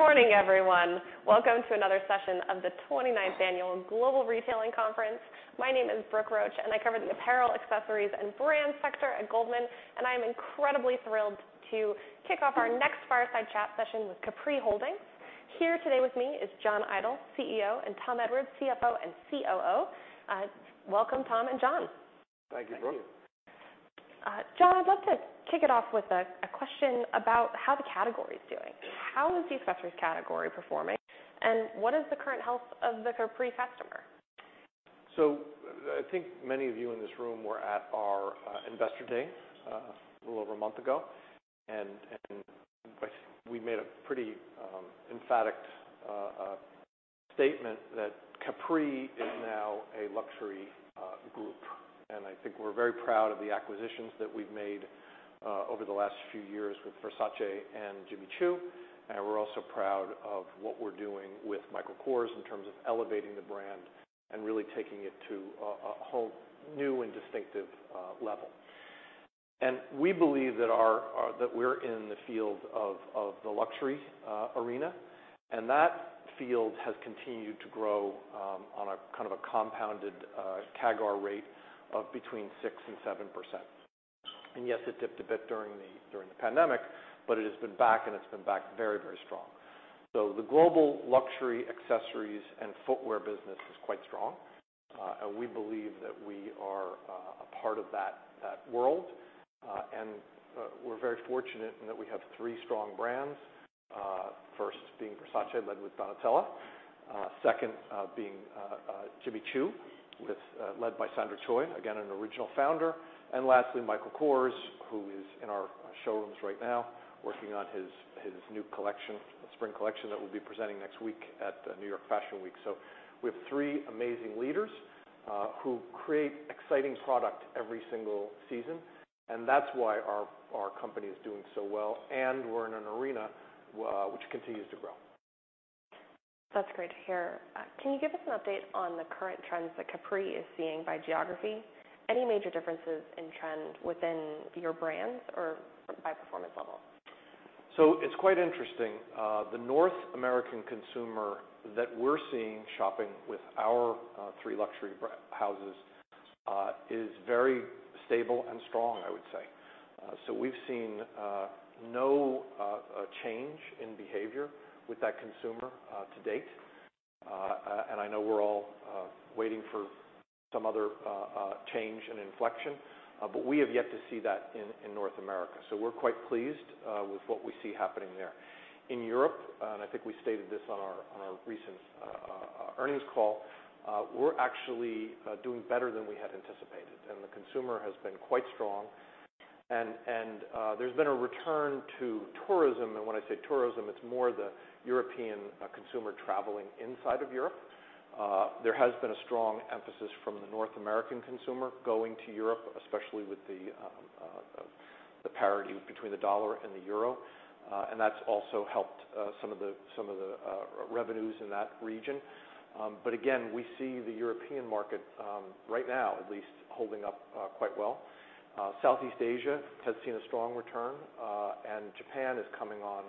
Good morning, everyone. Welcome to another session of the 29th Annual Global Retailing Conference. My name is Brooke Roach, and I cover the apparel, accessories and brand sector at Goldman, and I'm incredibly thrilled to kick off our next fireside chat session with Capri Holdings. Here today with me is John Idol, CEO, and Tom Edwards, CFO and COO. Welcome, Tom and John. Thank you, Brooke. John, I'd love to kick it off with a question about how the category is doing. How is the accessories category performing, and what is the current health of the Capri customer? I think many of you in this room were at our investor day a little over a month ago, and I think we made a pretty emphatic statement that Capri is now a luxury group. I think we're very proud of the acquisitions that we've made over the last few years with Versace and Jimmy Choo. We're also proud of what we're doing with Michael Kors in terms of elevating the brand and really taking it to a whole new and distinctive level. We believe that we're in the field of the luxury arena, and that field has continued to grow on a kind of a compounded CAGR rate of between 6% and 7%. Yes, it dipped a bit during the pandemic, but it has been back very, very strong. The global luxury accessories and footwear business is quite strong. We believe that we are a part of that world. We're very fortunate in that we have three strong brands, first being Versace, led with Donatella, second being Jimmy Choo led by Sandra Choi, again, an original founder, and lastly, Michael Kors, who is in our showrooms right now working on his new collection, spring collection that we'll be presenting next week at New York Fashion Week. We have three amazing leaders who create exciting product every single season, and that's why our company is doing so well, and we're in an arena which continues to grow. That's great to hear. Can you give us an update on the current trends that Capri is seeing by geography? Any major differences in trend within your brands or by performance level? It's quite interesting. The North American consumer that we're seeing shopping with our three luxury houses is very stable and strong, I would say. We've seen no change in behavior with that consumer to date. I know we're all waiting for some other change and inflection, but we have yet to see that in North America. We're quite pleased with what we see happening there. In Europe, I think we stated this on our recent earnings call, we're actually doing better than we had anticipated. The consumer has been quite strong. There's been a return to tourism. When I say tourism it's more the European consumer traveling inside of Europe. There has been a strong emphasis from the North American consumer going to Europe, especially with the parity between the dollar and the euro. That's also helped some of the revenues in that region. Again, we see the European market right now at least holding up quite well. Southeast Asia has seen a strong return, and Japan is coming on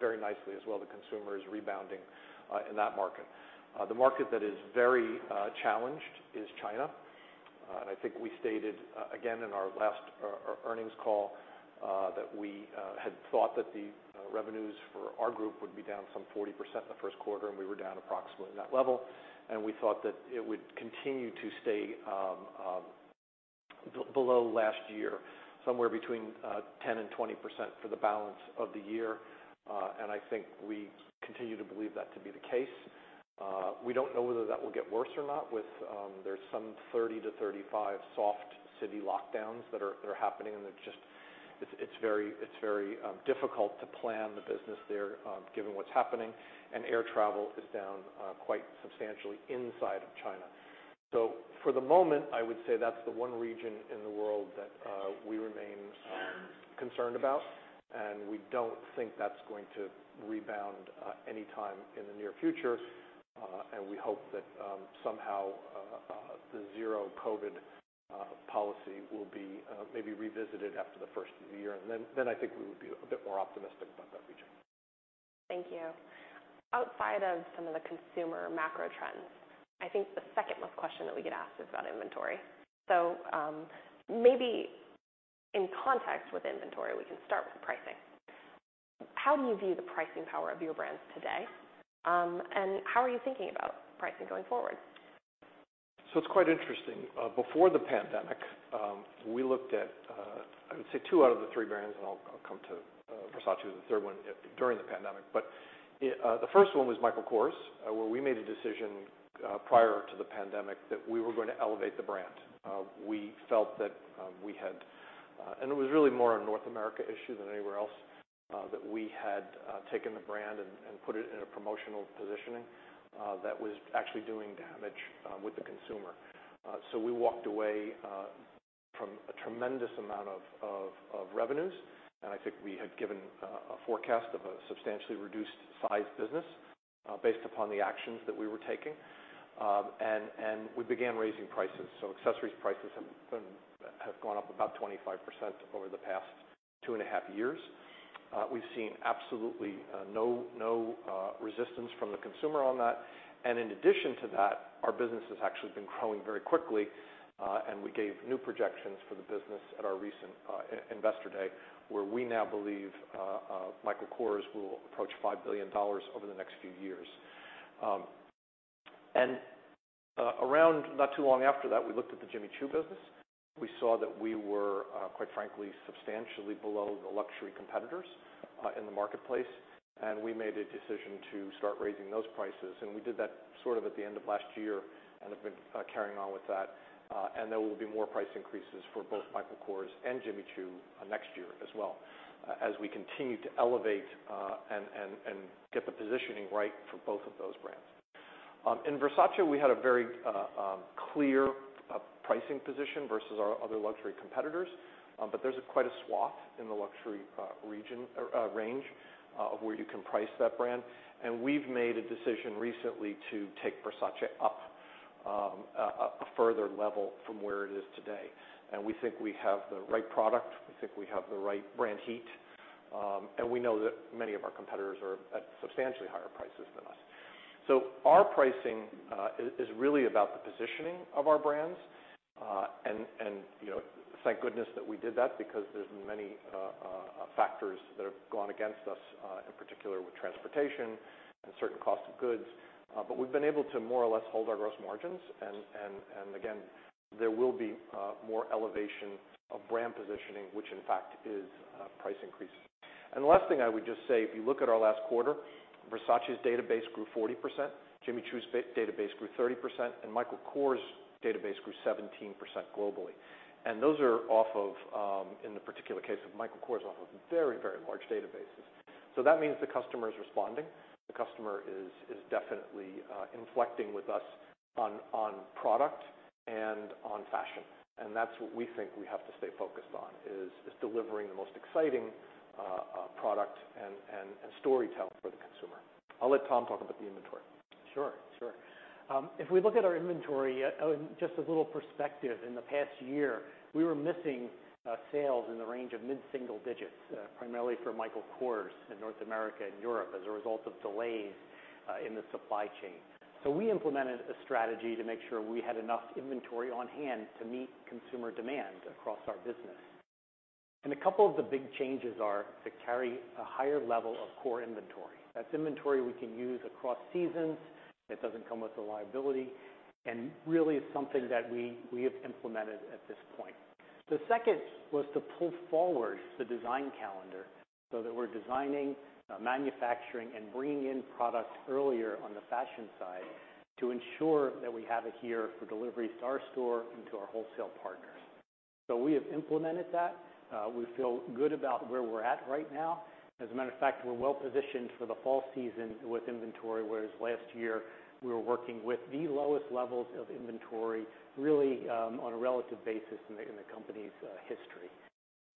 very nicely as well. The consumer is rebounding in that market. The market that is very challenged is China. I think we stated again in our last earnings call that we had thought that the revenues for our group would be down some 40% in the first quarter, and we were down approximately that level. We thought that it would continue to stay below last year, somewhere between 10% and 20% for the balance of the year. I think we continue to believe that to be the case. We don't know whether that will get worse or not with, there's some 30-35 soft city lockdowns that are happening, and it just. It's very difficult to plan the business there, given what's happening. Air travel is down quite substantially inside of China. For the moment, I would say that's the one region in the world that we remain concerned about, and we don't think that's going to rebound anytime in the near future. We hope that somehow the zero-COVID policy will be maybe revisited after the first of the year. Then I think we would be a bit more optimistic about that region. Thank you. Outside of some of the consumer macro trends, I think the second most question that we get asked is about inventory. Maybe in context with inventory, we can start with pricing. How do you view the pricing power of your brands today, and how are you thinking about pricing going forward? It's quite interesting. Before the pandemic, we looked at, I would say 2/3 brands, and I'll come to Versace, who's the third one, during the pandemic. The first one was Michael Kors, where we made a decision prior to the pandemic that we were going to elevate the brand. We felt that it was really more a North America issue than anywhere else, that we had taken the brand and put it in a promotional positioning that was actually doing damage with the consumer. We walked away from a tremendous amount of revenues. I think we had given a forecast of a substantially reduced size business, based upon the actions that we were taking. We began raising prices. Accessories prices have gone up about 25% over the past 2.5 years. We've seen absolutely no resistance from the consumer on that. In addition to that, our business has actually been growing very quickly, and we gave new projections for the business at our recent investor day, where we now believe Michael Kors will approach $5 billion over the next few years. Around not too long after that, we looked at the Jimmy Choo business. We saw that we were, quite frankly, substantially below the luxury competitors in the marketplace, and we made a decision to start raising those prices. We did that sort of at the end of last year and have been carrying on with that. There will be more price increases for both Michael Kors and Jimmy Choo next year as well, as we continue to elevate and get the positioning right for both of those brands. In Versace, we had a very clear pricing position versus our other luxury competitors, but there's quite a swath in the luxury range of where you can price that brand. We've made a decision recently to take Versace up a further level from where it is today. We think we have the right product, we think we have the right brand heat, and we know that many of our competitors are at substantially higher prices than us. Our pricing is really about the positioning of our brands. You know, thank goodness that we did that because there's many factors that have gone against us, in particular with transportation and certain costs of goods. We've been able to more or less hold our gross margins, and again, there will be more elevation of brand positioning, which in fact is price increases. The last thing I would just say, if you look at our last quarter, Versace's database grew 40%, Jimmy Choo's database grew 30%, and Michael Kors' database grew 17% globally. Those are off of, in the particular case of Michael Kors, off of very, very large databases. That means the customer is responding. The customer is definitely inflecting with us on product and on fashion. That's what we think we have to stay focused on is delivering the most exciting product and storytelling for the consumer. I'll let Tom talk about the inventory. Sure. If we look at our inventory, just as a little perspective, in the past year, we were missing sales in the range of mid-single digits, primarily for Michael Kors in North America and Europe as a result of delays in the supply chain. We implemented a strategy to make sure we had enough inventory on hand to meet consumer demand across our business. A couple of the big changes are to carry a higher level of core inventory. That's inventory we can use across seasons. It doesn't come with a liability, and really is something that we have implemented at this point. The second was to pull forward the design calendar so that we're designing, manufacturing, and bringing in products earlier on the fashion side to ensure that we have it here for delivery to our store and to our wholesale partners. We have implemented that. We feel good about where we're at right now. As a matter of fact, we're well positioned for the fall season with inventory, whereas last year we were working with the lowest levels of inventory, really, on a relative basis in the company's history.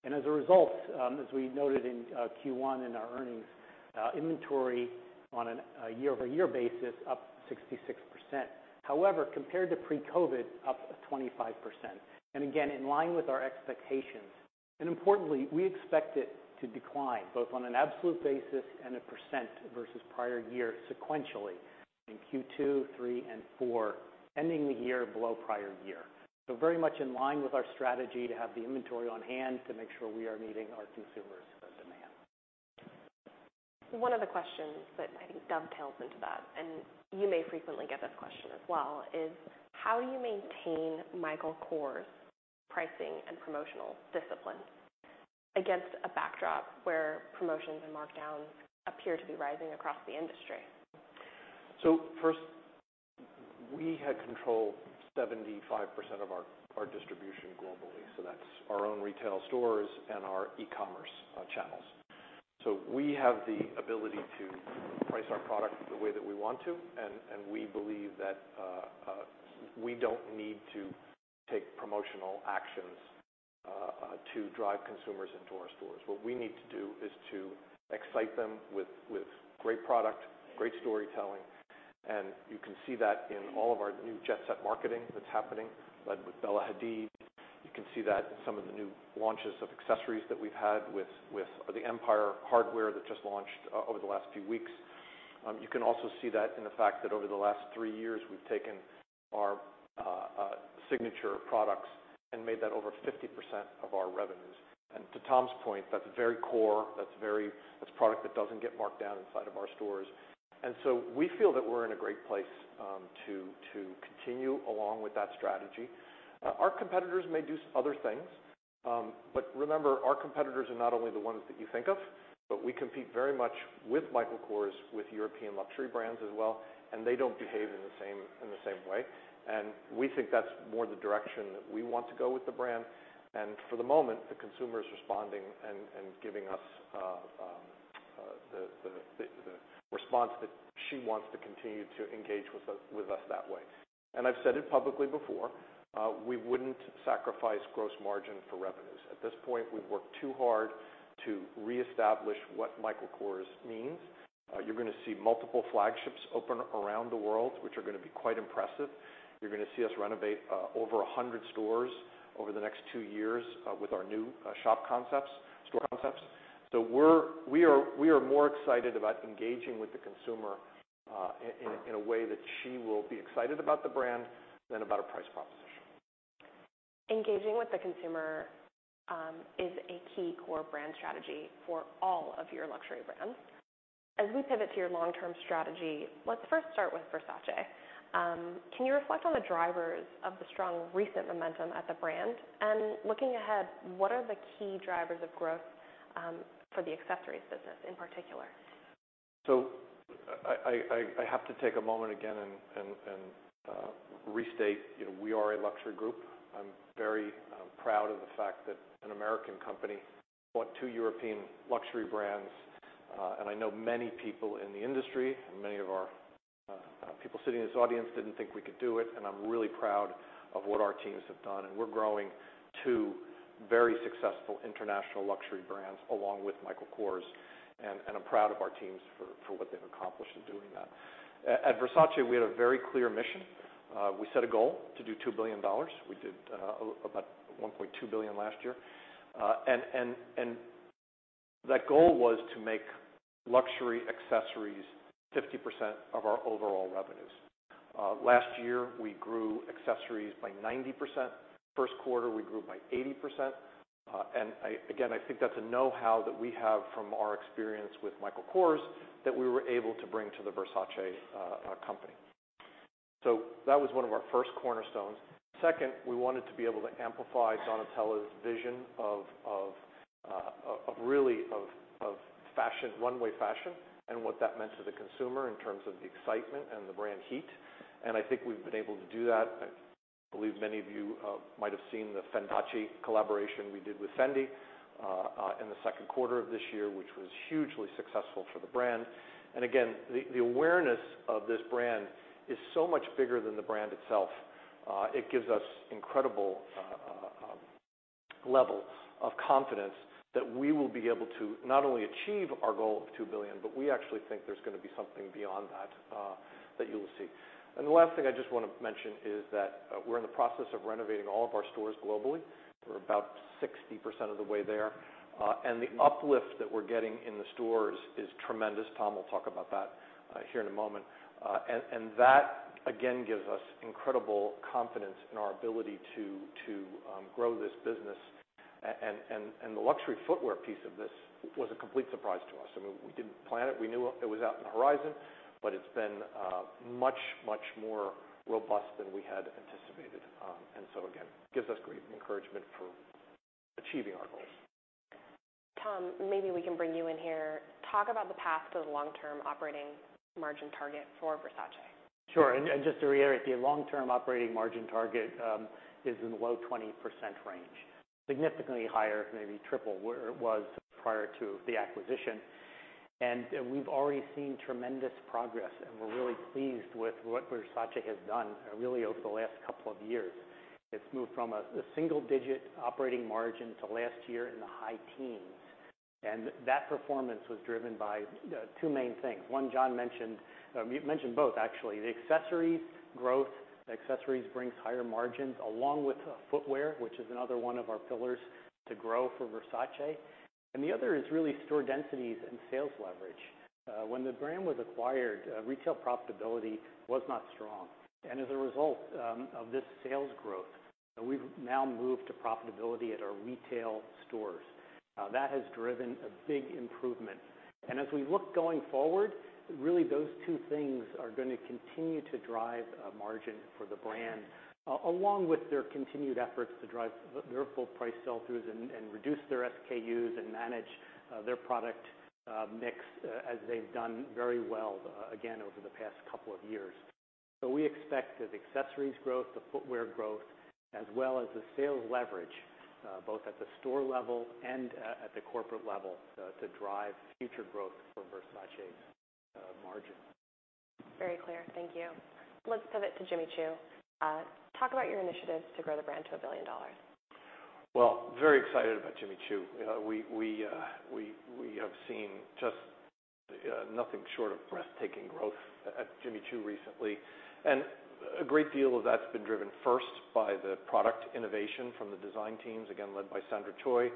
As a result, as we noted in Q1 in our earnings, inventory on a year-over-year basis, up 66%. However, compared to pre-COVID, up 25%, and again in line with our expectations. Importantly, we expect it to decline both on an absolute basis and a percent versus prior year sequentially in Q2, Q3, and Q4, ending the year below prior year. Very much in line with our strategy to have the inventory on hand to make sure we are meeting our consumers' demand. One of the questions that I think dovetails into that, and you may frequently get this question as well, is: How do you maintain Michael Kors pricing and promotional discipline against a backdrop where promotions and markdowns appear to be rising across the industry? First, we had control 75% of our distribution globally. That's our own retail stores and our e-commerce channels. We have the ability to price our product the way that we want to, and we believe that we don't need to take promotional actions to drive consumers into our stores. What we need to do is to excite them with great product, great storytelling, and you can see that in all of our new Jet Set marketing that's happening, led with Bella Hadid. You can see that in some of the new launches of accessories that we've had with the Empire Hardware that just launched over the last few weeks. You can also see that in the fact that over the last 3 years, we've taken our signature products and made that over 50% of our revenues. To Tom's point, that's very core. That's product that doesn't get marked down inside of our stores. We feel that we're in a great place to continue along with that strategy. Our competitors may do other things. Remember, our competitors are not only the ones that you think of, but we compete very much with Michael Kors, with European luxury brands as well, and they don't behave in the same way. We think that's more the direction that we want to go with the brand. For the moment, the consumer is responding and giving us the response that she wants to continue to engage with us that way. I've said it publicly before, we wouldn't sacrifice gross margin for revenues. At this point, we've worked too hard to reestablish what Michael Kors means. You're gonna see multiple flagships open around the world, which are gonna be quite impressive. You're gonna see us renovate over 100 stores over the next 2 years with our new shop concepts, store concepts. We are more excited about engaging with the consumer in a way that she will be excited about the brand than about a price proposition. Engaging with the consumer is a key core brand strategy for all of your luxury brands. As we pivot to your long-term strategy, let's first start with Versace. Can you reflect on the drivers of the strong recent momentum at the brand? Looking ahead, what are the key drivers of growth for the accessories business in particular? I have to take a moment again and restate, you know, we are a luxury group. I'm very proud of the fact that an American company bought two European luxury brands. I know many people in the industry and many of our people sitting in this audience didn't think we could do it, and I'm really proud of what our teams have done. We're growing two very successful international luxury brands along with Michael Kors, and I'm proud of our teams for what they've accomplished in doing that. At Versace, we had a very clear mission. We set a goal to do $2 billion. We did about $1.2 billion last year. That goal was to make luxury accessories 50% of our overall revenues. Last year, we grew accessories by 90%. First quarter, we grew by 80%. I think that's a know-how that we have from our experience with Michael Kors that we were able to bring to the Versace company. That was one of our first cornerstones. Second, we wanted to be able to amplify Donatella's vision of really fashion, runway fashion, and what that meant to the consumer in terms of the excitement and the brand heat. I think we've been able to do that. I believe many of you might have seen the Fendace collaboration we did with Fendi in the second quarter of this year, which was hugely successful for the brand. Again, the awareness of this brand is so much bigger than the brand itself. It gives us incredible levels of confidence that we will be able to not only achieve our goal of $2 billion, but we actually think there's gonna be something beyond that that you'll see. The last thing I just wanna mention is that we're in the process of renovating all of our stores globally. We're about 60% of the way there. The uplift that we're getting in the stores is tremendous. Tom will talk about that here in a moment. The luxury footwear piece of this was a complete surprise to us. I mean, we didn't plan it. We knew it was on the horizon, but it's been much more robust than we had anticipated. Again, gives us great encouragement for achieving our goals. Tom, maybe we can bring you in here. Talk about the path to the long-term operating margin target for Versace. Sure. Just to reiterate, the long-term operating margin target is in the low 20% range. Significantly higher, maybe triple where it was prior to the acquisition. We've already seen tremendous progress, and we're really pleased with what Versace has done, really over the last couple of years. It's moved from a single-digit operating margin to last year in the high teens, and that performance was driven by two main things. You mentioned both actually. The accessories growth. Accessories brings higher margins along with footwear, which is another one of our pillars to grow for Versace. The other is really store densities and sales leverage. When the brand was acquired, retail profitability was not strong. As a result of this sales growth, we've now moved to profitability at our retail stores. That has driven a big improvement. As we look going forward, really those two things are gonna continue to drive margin for the brand, along with their continued efforts to drive their full price sell-throughs and reduce their SKUs and manage their product mix, as they've done very well again over the past couple of years. We expect the accessories growth, the footwear growth, as well as the sales leverage both at the store level and at the corporate level, to drive future growth for Versace margin. Very clear. Thank you. Let's pivot to Jimmy Choo. Talk about your initiatives to grow the brand to $1 billion. Well, very excited about Jimmy Choo. You know, we have seen just nothing short of breathtaking growth at Jimmy Choo recently, and a great deal of that's been driven first by the product innovation from the design teams, again, led by Sandra Choi.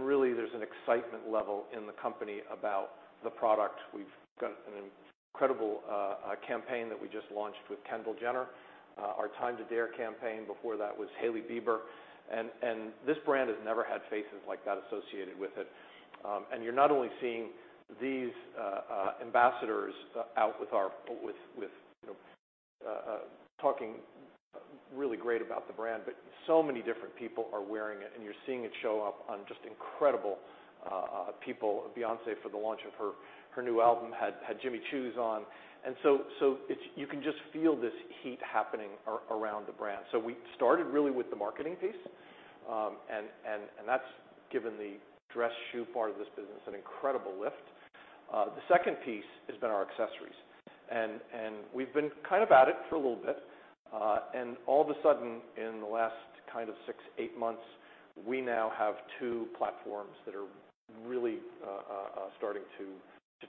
Really there's an excitement level in the company about the product. We've got an incredible campaign that we just launched with Kendall Jenner, our Time to Dare campaign. Before that was Hailey Bieber. This brand has never had faces like that associated with it. You're not only seeing these ambassadors out with our, with talking really great about the brand, but so many different people are wearing it, and you're seeing it show up on just incredible people. Beyoncé for the launch of her new album had Jimmy Choos on. You can just feel this heat happening around the brand. We started really with the marketing piece. That's given the dress shoe part of this business an incredible lift. The second piece has been our accessories, and we've been kind of at it for a little bit. All of a sudden, in the last kind of 6-8 months, we now have two platforms that are really starting to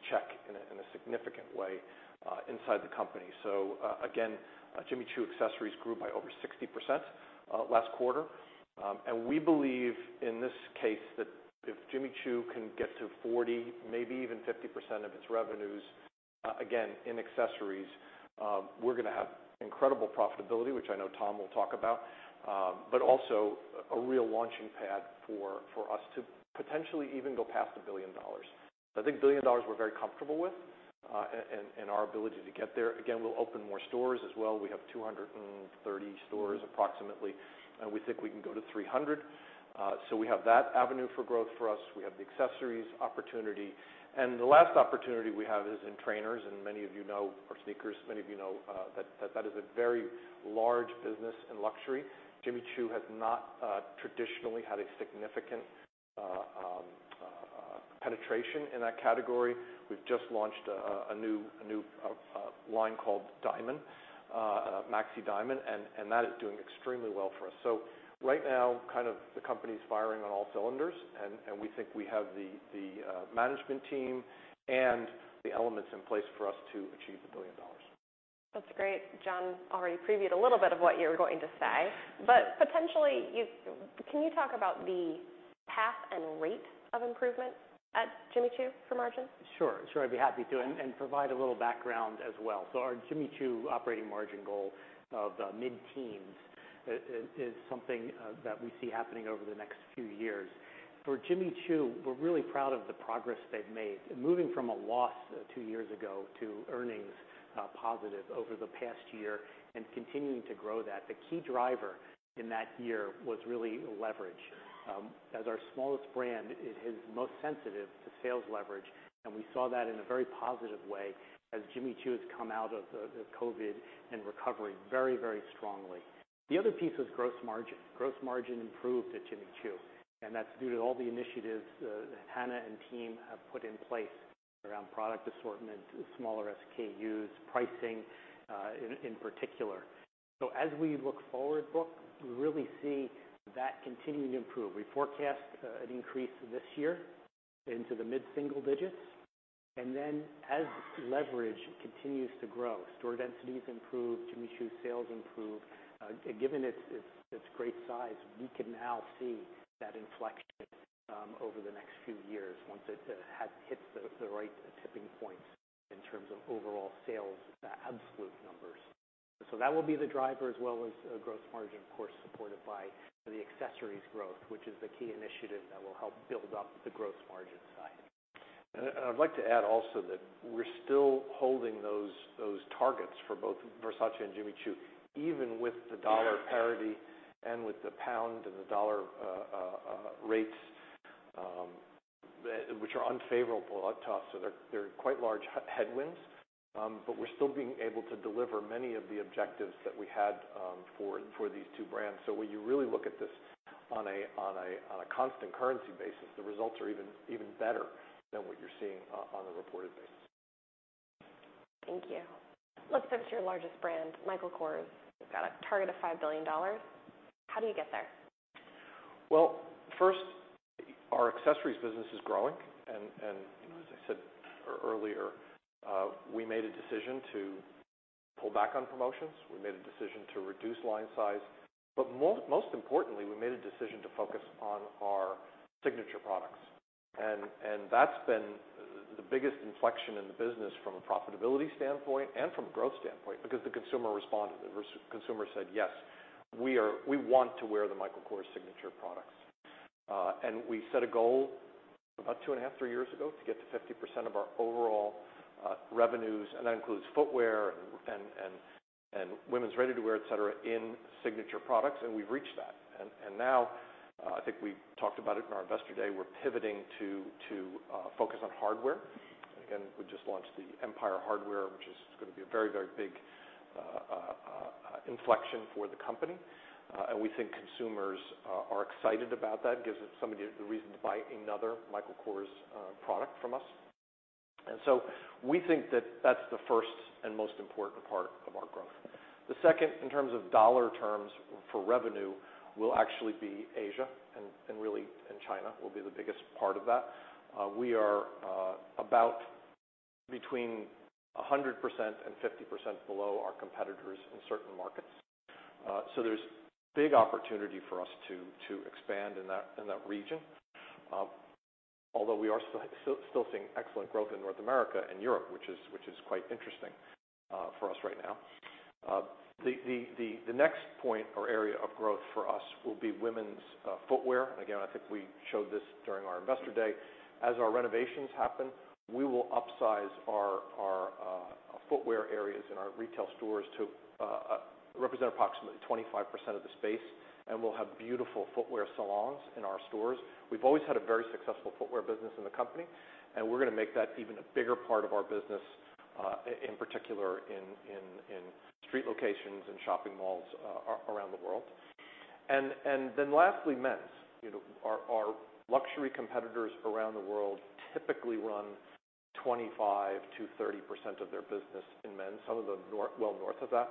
check in a significant way inside the company. Jimmy Choo accessories grew by over 60% last quarter. We believe, in this case, that if Jimmy Choo can get to 40%, maybe even 50% of its revenues, again, in accessories, we're gonna have incredible profitability, which I know Tom will talk about. Also a real launching pad for us to potentially even go past $1 billion. I think $1 billion we're very comfortable with, and our ability to get there. Again, we'll open more stores as well. We have 230 stores approximately, and we think we can go to 300. We have that avenue for growth for us. We have the accessories opportunity. The last opportunity we have is in trainers or sneakers. Many of you know that is a very large business in luxury. Jimmy Choo has not traditionally had a significant penetration in that category. We've just launched a new line called Diamond Maxi, and that is doing extremely well for us. Right now, kind of the company's firing on all cylinders, and we think we have the management team and the elements in place for us to achieve $1 billion. That's great. John already previewed a little bit of what you were going to say. Potentially, can you talk about the path and rate of improvement at Jimmy Choo for margin? Sure. I'd be happy to and provide a little background as well. Our Jimmy Choo operating margin goal of mid-teens% is something that we see happening over the next few years. For Jimmy Choo, we're really proud of the progress they've made in moving from a loss 2 years ago to earnings positive over the past year and continuing to grow that. The key driver in that year was really leverage. As our smallest brand, it is most sensitive to sales leverage, and we saw that in a very positive way as Jimmy Choo has come out of the COVID and recovering very, very strongly. The other piece was gross margin. Gross margin improved at Jimmy Choo, and that's due to all the initiatives that Hannah and team have put in place around product assortment, smaller SKUs, pricing, in particular. As we look forward, Brooke, we really see that continuing to improve. We forecast an increase this year into the mid-single digits%. Then as leverage continues to grow, store densities improve, Jimmy Choo sales improve. Given its great size, we can now see that inflection over the next few years once it has hit the right tipping points in terms of overall sales, absolute numbers. That will be the driver as well as growth margin, of course, supported by the accessories growth, which is the key initiative that will help build up the growth margin side. I'd like to add also that we're still holding those targets for both Versace and Jimmy Choo, even with the dollar parity and with the pound and the dollar rates which are unfavorable to us. They're quite large headwinds, but we're still being able to deliver many of the objectives that we had for these two brands. When you really look at this on a constant currency basis, the results are even better than what you're seeing on a reported basis. Thank you. Let's switch to your largest brand, Michael Kors. You've got a target of $5 billion. How do you get there? Well, first, our accessories business is growing. You know, as I said earlier, we made a decision to pull back on promotions. We made a decision to reduce line size. Most importantly, we made a decision to focus on our signature products. That's been the biggest inflection in the business from a profitability standpoint and from a growth standpoint because the consumer responded. The consumer said, "Yes, we want to wear the Michael Kors signature products." We set a goal about 2.5-3 years ago to get to 50% of our overall revenues, and that includes footwear and women's ready-to-wear, et cetera, in signature products, and we've reached that. Now, I think we talked about it in our Investor Day, we're pivoting to focus on hardware. Again, we just launched the Empire Hardware, which is gonna be a very big inflection for the company. We think consumers are excited about that. It gives them some of the reason to buy another Michael Kors product from us. We think that that's the first and most important part of our growth. The second, in terms of dollar terms for revenue, will actually be Asia and really China will be the biggest part of that. We are about between 100% and 50% below our competitors in certain markets. So there's big opportunity for us to expand in that region. Although we are still seeing excellent growth in North America and Europe, which is quite interesting for us right now. The next point or area of growth for us will be women's footwear. Again, I think we showed this during our Investor Day. As our renovations happen, we will upsize our footwear areas in our retail stores to represent approximately 25% of the space, and we'll have beautiful footwear salons in our stores. We've always had a very successful footwear business in the company, and we're gonna make that even a bigger part of our business, in particular, in street locations and shopping malls around the world. Lastly, men's. You know, our luxury competitors around the world typically run 25%-30% of their business in men's, some of them north, well north of that,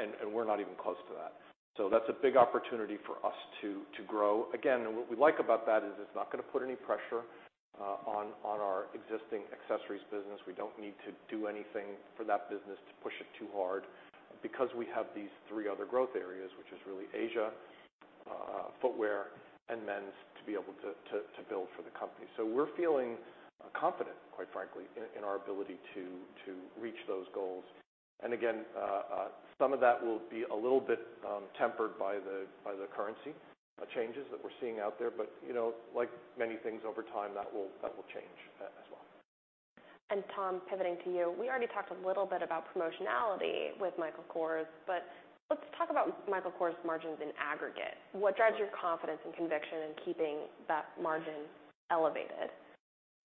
and we're not even close to that. That's a big opportunity for us to grow. Again, what we like about that is it's not gonna put any pressure on our existing accessories business. We don't need to do anything for that business to push it too hard because we have these three other growth areas, which is really Asia, footwear and men's to be able to build for the company. We're feeling confident, quite frankly, in our ability to reach those goals. Again, some of that will be a little bit tempered by the currency changes that we're seeing out there. You know, like many things over time, that will change as well. Tom, pivoting to you. We already talked a little bit about promotionality with Michael Kors, but let's talk about Michael Kors margins in aggregate. What drives your confidence and conviction in keeping that margin elevated.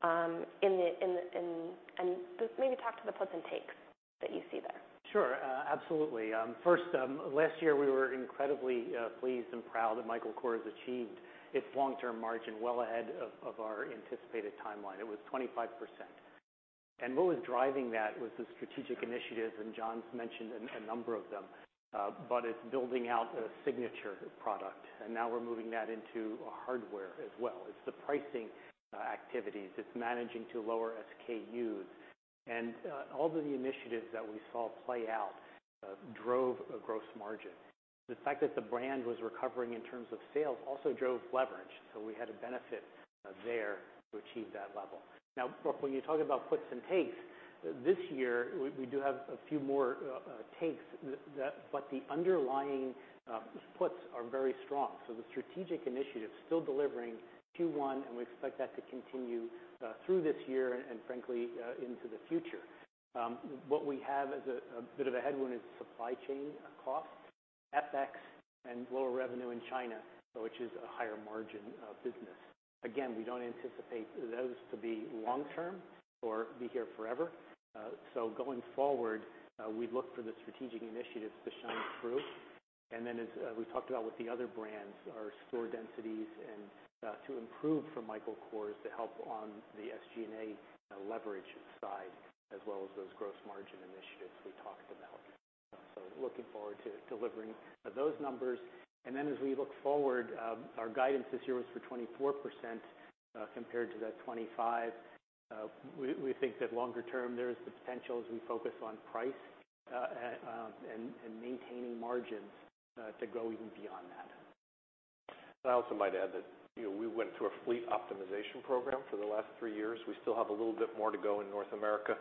Just maybe talk to the puts and takes that you see there. Sure. Absolutely. First, last year we were incredibly pleased and proud that Michael Kors achieved its long-term margin well ahead of our anticipated timeline. It was 25%. What was driving that was the strategic initiatives, and John's mentioned a number of them, but it's building out a signature product. Now we're moving that into hardware as well. It's the pricing activities. It's managing to lower SKUs. All of the initiatives that we saw play out drove a gross margin. The fact that the brand was recovering in terms of sales also drove leverage, so we had a benefit there to achieve that level. Now, Brooke, when you talk about puts and takes, this year we do have a few more takes. The underlying puts are very strong. The strategic initiatives still delivering Q1, and we expect that to continue through this year and, frankly, into the future. What we have as a bit of a headwind is supply chain costs, FX and lower revenue in China, which is a higher margin business. Again, we don't anticipate those to be long term or be here forever. Going forward, we look for the strategic initiatives to shine through. Then as we talked about with the other brands, our store densities and to improve from Michael Kors to help on the SG&A leverage side as well as those gross margin initiatives we talked about. Looking forward to delivering those numbers. As we look forward, our guidance this year was for 24% compared to that 25%. We think that longer term there is the potential as we focus on price, and maintaining margins, to grow even beyond that. I also might add that, you know, we went through a fleet optimization program for the last 3 years. We still have a little bit more to go in North America,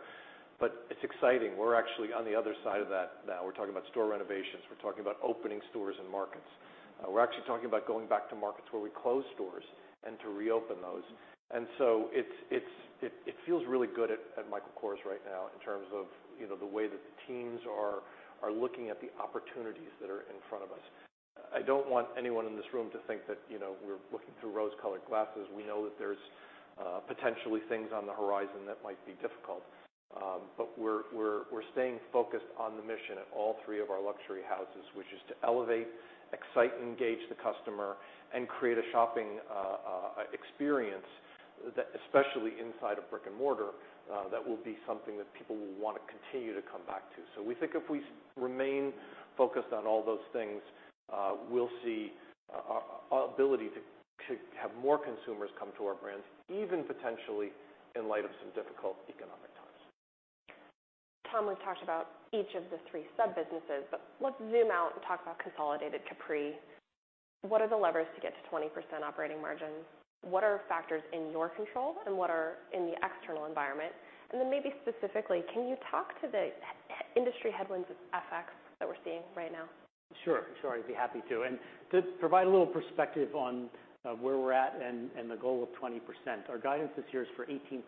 but it's exciting. We're actually on the other side of that now. We're talking about store renovations. We're talking about opening stores and markets. We're actually talking about going back to markets where we closed stores and to reopen those. It feels really good at Michael Kors right now in terms of, you know, the way that the teams are looking at the opportunities that are in front of us. I don't want anyone in this room to think that, you know, we're looking through rose-colored glasses. We know that there's potentially things on the horizon that might be difficult. We're staying focused on the mission at all three of our luxury houses, which is to elevate, excite, engage the customer and create a shopping experience that especially inside of brick-and-mortar that will be something that people will wanna continue to come back to. We think if we remain focused on all those things, we'll see our ability to have more consumers come to our brands, even potentially in light of some difficult economic times. Tom, we've talked about each of the three sub-businesses, but let's zoom out and talk about consolidated Capri. What are the levers to get to 20% operating margin? What are factors in your control and what are in the external environment? And then maybe specifically, can you talk to the industry headwinds with FX that we're seeing right now? Sure. I'd be happy to. To provide a little perspective on where we're at and the goal of 20%, our guidance this year is for 18%.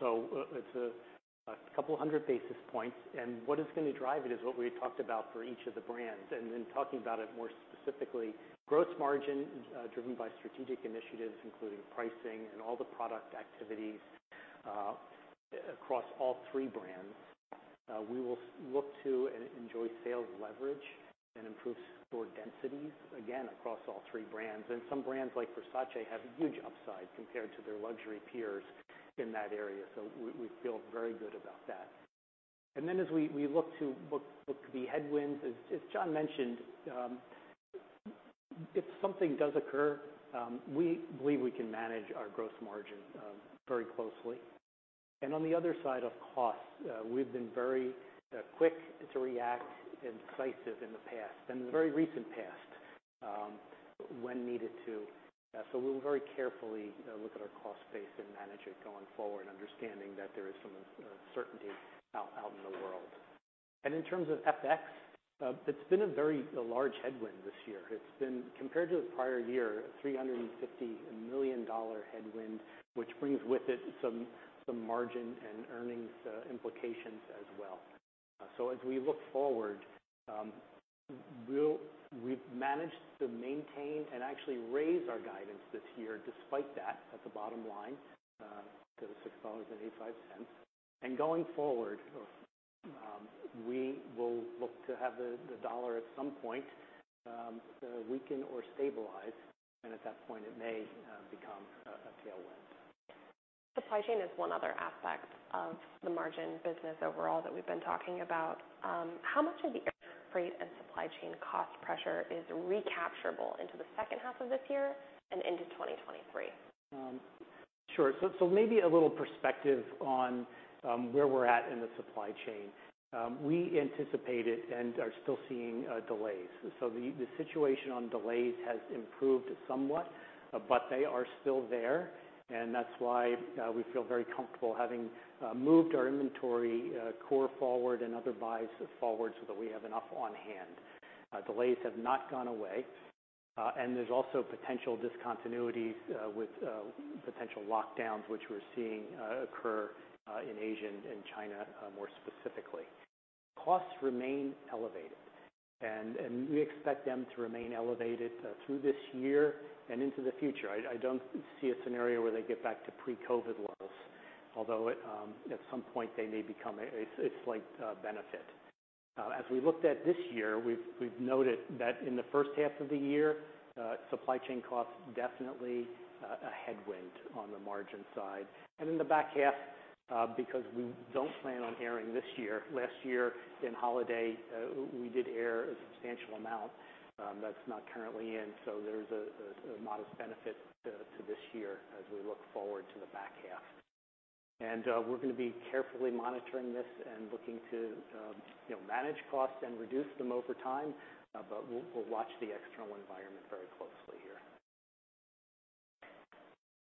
So it's a couple hundred basis points. What is gonna drive it is what we talked about for each of the brands. In talking about it more specifically, gross margin driven by strategic initiatives including pricing and all the product activities across all three brands. We will look to and enjoy sales leverage and improve store densities, again, across all three brands. Some brands like Versace have huge upside compared to their luxury peers in that area. We feel very good about that. As we look to what could be headwinds, as John mentioned, if something does occur, we believe we can manage our gross margin very closely. On the other side of costs, we've been very quick to react and decisive in the past, in the very recent past, when needed to. We'll very carefully look at our cost base and manage it going forward, understanding that there is some uncertainty out in the world. In terms of FX, it's been a very large headwind this year. It's been, compared to the prior year, a $350 million headwind, which brings with it some margin and earnings implications as well. So as we look forward, we've managed to maintain and actually raise our guidance this year despite that at the bottom line to $6.85. Going forward, we will look to have the dollar at some point weaken or stabilize, and at that point it may become a tailwind. Supply chain is one other aspect of the margin business overall that we've been talking about. How much of the air freight and supply chain cost pressure is recapturable into the second half of this year and into 2023? Sure. Maybe a little perspective on where we're at in the supply chain. We anticipated and are still seeing delays. The situation on delays has improved somewhat, but they are still there, and that's why we feel very comfortable having moved our inventory core forward and other buys forward so that we have enough on hand. Delays have not gone away, and there's also potential discontinuities with potential lockdowns which we're seeing occur in Asia and China, more specifically. Costs remain elevated and we expect them to remain elevated through this year and into the future. I don't see a scenario where they get back to pre-COVID levels, although at some point they may become a slight benefit. As we looked at this year, we've noted that in the first half of the year, supply chain costs definitely a headwind on the margin side. In the back half, because we don't plan on airing this year, last year in holiday we did air a substantial amount, that's not currently in, so there's a modest benefit to this year as we look forward to the back half. We're gonna be carefully monitoring this and looking to you know, manage costs and reduce them over time. But we'll watch the external environment very closely here.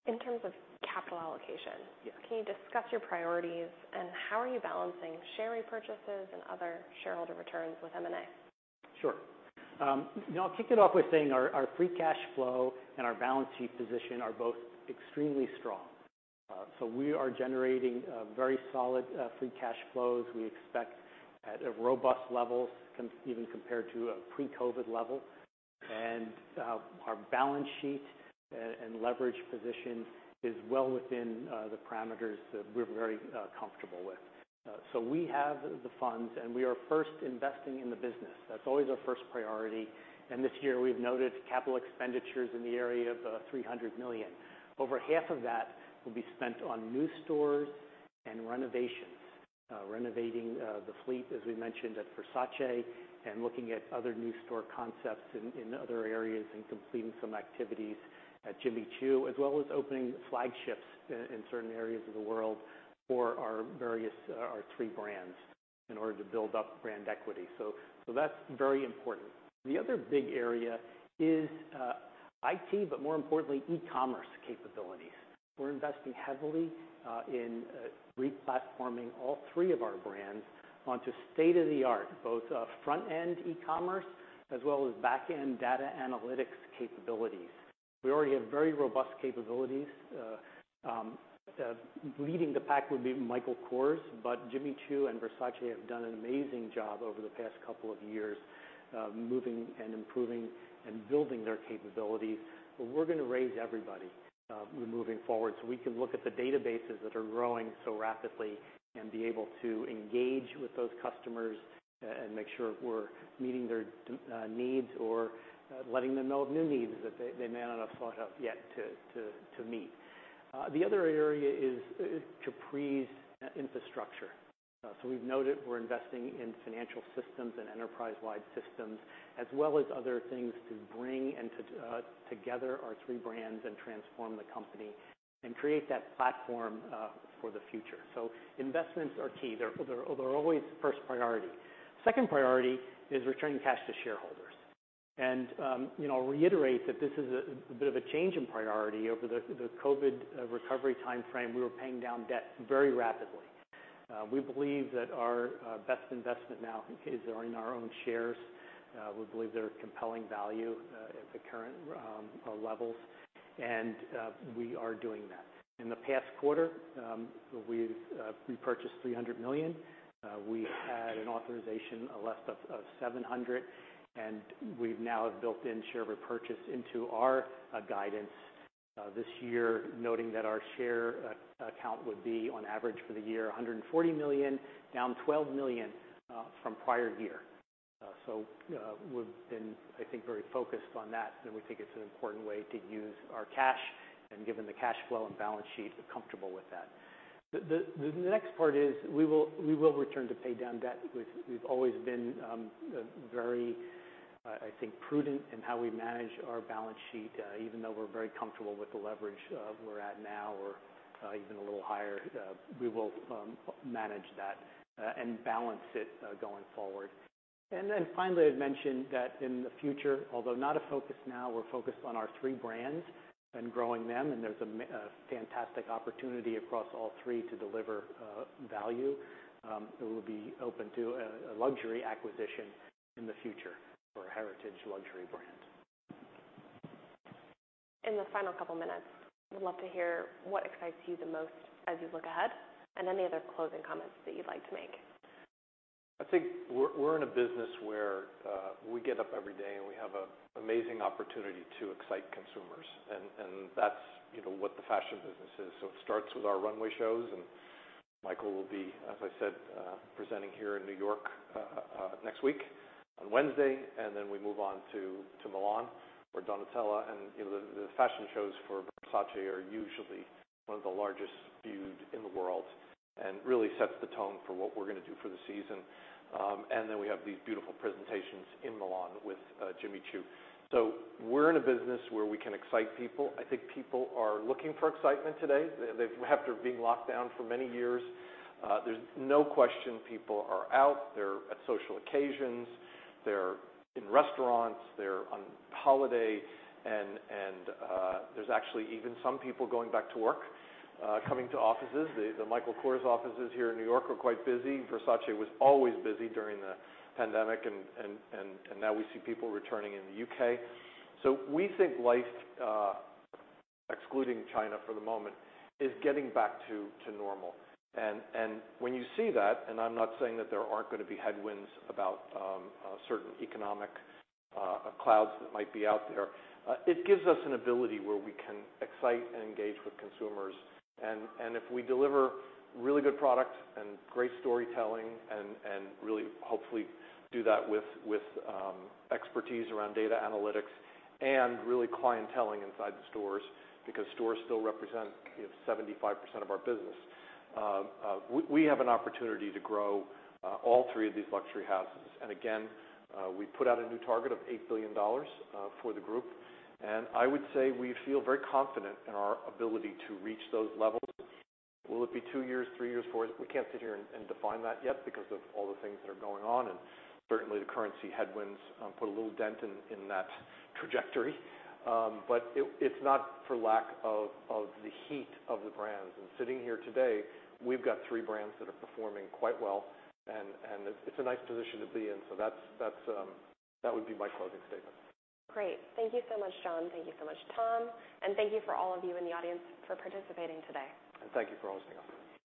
In terms of capital allocation. Yes. Can you discuss your priorities, and how are you balancing share repurchases and other shareholder returns with M&A? Sure. You know, I'll kick it off with saying our free cash flow and our balance sheet position are both extremely strong. We are generating very solid free cash flows we expect at a robust level even compared to a pre-COVID level. Our balance sheet and leverage position is well within the parameters that we're very comfortable with. We have the funds, and we are first investing in the business. That's always our first priority. This year we've noted capital expenditures in the area of $300 million. Over half of that will be spent on new stores and renovations. Renovating the fleet, as we mentioned, at Versace, and looking at other new store concepts in other areas, and completing some activities at Jimmy Choo, as well as opening flagships in certain areas of the world for our various three brands in order to build up brand equity. That's very important. The other big area is IT, but more importantly, e-commerce capabilities. We're investing heavily in replatforming all three of our brands onto state-of-the-art, both front-end e-commerce as well as back-end data analytics capabilities. We already have very robust capabilities. Leading the pack would be Michael Kors, but Jimmy Choo and Versace have done an amazing job over the past couple of years, moving and improving and building their capabilities. We're gonna raise everybody moving forward, so we can look at the databases that are growing so rapidly and be able to engage with those customers and make sure we're meeting their needs or letting them know of new needs that they may not have thought of yet to meet. The other area is Capri's infrastructure. We've noted we're investing in financial systems and enterprise-wide systems, as well as other things to bring together our three brands and transform the company and create that platform for the future. Investments are key. They're always first priority. Second priority is returning cash to shareholders. You know, I'll reiterate that this is a bit of a change in priority. Over the COVID recovery timeframe, we were paying down debt very rapidly. We believe that our best investment now is in our own shares. We believe they're a compelling value at the current levels, and we are doing that. In the past quarter, we've repurchased $300 million. We had an authorization of $700 million, and we've now built in share repurchase into our guidance this year, noting that our share count would be on average for the year $140 million, down $12 million from prior year. We've been, I think, very focused on that, and we think it's an important way to use our cash. Given the cash flow and balance sheet, we're comfortable with that. The next part is we will return to pay down debt. We've always been very, I think, prudent in how we manage our balance sheet. Even though we're very comfortable with the leverage we're at now or even a little higher, we will manage that and balance it going forward. Finally, I'd mention that in the future, although not a focus now, we're focused on our three brands and growing them, and there's a fantastic opportunity across all three to deliver value. It will be open to a luxury acquisition in the future for a heritage luxury brand. In the final couple minutes, I'd love to hear what excites you the most as you look ahead, and any other closing comments that you'd like to make. I think we're in a business where we get up every day, and we have an amazing opportunity to excite consumers. That's, you know, what the fashion business is. It starts with our runway shows, and Michael will be, as I said, presenting here in New York next week on Wednesday. Then we move on to Milan, where Donatella and the fashion shows for Versace are usually one of the largest viewed in the world, and really sets the tone for what we're gonna do for the season. Then we have these beautiful presentations in Milan with Jimmy Choo. We're in a business where we can excite people. I think people are looking for excitement today. They have been locked down for many years. There's no question people are out. They're at social occasions. They're in restaurants. They're on holiday. There's actually even some people going back to work, coming to offices. The Michael Kors offices here in New York are quite busy. Versace was always busy during the pandemic, and now we see people returning in the U.K. We think life, excluding China for the moment, is getting back to normal. When you see that, and I'm not saying that there aren't gonna be headwinds about certain economic clouds that might be out there, it gives us an ability where we can excite and engage with consumers. If we deliver really good products and great storytelling and really hopefully do that with expertise around data analytics and really clienteling inside the stores, because stores still represent, you know, 75% of our business, we have an opportunity to grow all three of these luxury houses. Again, we put out a new target of $8 billion for the group. I would say we feel very confident in our ability to reach those levels. Will it be 2 years, 3 years, 4? We can't sit here and define that yet because of all the things that are going on. Certainly, the currency headwinds put a little dent in that trajectory. It's not for lack of the heat of the brands. Sitting here today, we've got three brands that are performing quite well, and it's a nice position to be in. That would be my closing statement. Great. Thank you so much, John. Thank you so much, Tom. Thank you for all of you in the audience for participating today. Thank you for hosting us.